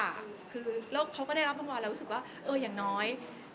คือแล้วเขาก็ได้รับรางวัลเรารู้สึกว่าเอออย่างน้อย